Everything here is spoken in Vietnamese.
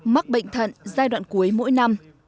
mắc bệnh thận giai đoạn cuối mỗi năm